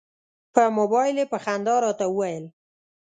په مبایل یې په خندا راته وویل.